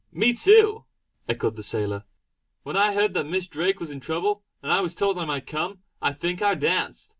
"Me too!" echoed the sailor "When I heard that Miss Drake was in trouble, and I was told I might come, I think I danced.